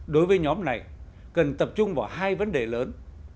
đối với nhóm này cần tập trung vào hai vấn đề lớn